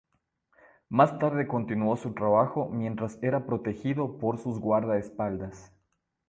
Más tarde continuó su trabajo mientras era protegido por sus guardaespaldas.